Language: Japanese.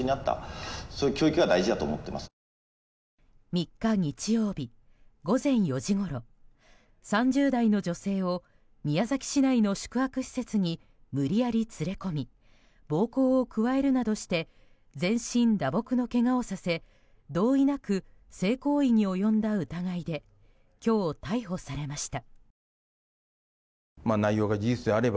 ３日日曜日、午前４時ごろ３０代の女性を宮崎市内の宿泊施設に無理やり連れ込み暴行を加えるなどして全身打撲のけがをさせ同意なく性行為に及んだ疑いで今日、逮捕されました。